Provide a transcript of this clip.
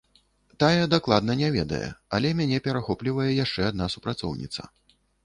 Тая дакладна не ведае, але мяне перахоплівае яшчэ адна супрацоўніца.